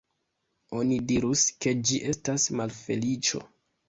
Oni dirus, ke ĝi estas malfeliĉo.